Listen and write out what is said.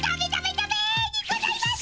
ダメにございます！